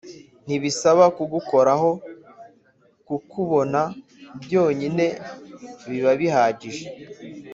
ntibisaba kugukoraho kukubona byonyine bibabihagije